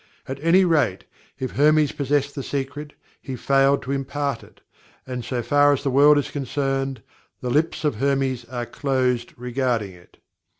At any rate, if Hermes possessed the Secret, he failed to impart it, and so far as the world is concerned THE LIPS OF HERMES ARE CLOSED regarding it.